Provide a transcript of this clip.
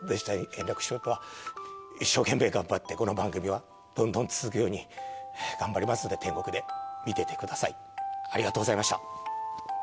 円楽師匠とは、一生懸命頑張って、この番組はどんどん続くように頑張りますので、天国で見ていてください、ありがとうございました。